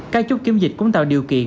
các chút kiểm dịch cũng tạo điều kiện